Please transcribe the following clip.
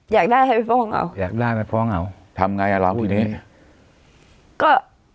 อยากได้ให้พ่อเอาอยากได้ให้พ่อเอาทำไงอ่ะเราทีนี้ก็